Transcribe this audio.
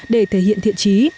để thể hiện thiện trí